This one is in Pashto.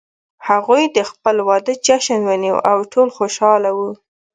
هغوی د خپل واده جشن ونیو او ټول خوشحال وو